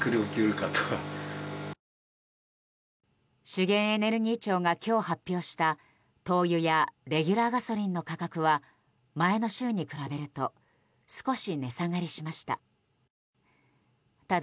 資源エネルギー庁が今日、発表した灯油やレギュラーガソリンの価格は前の週に比べると少し値下がりしました。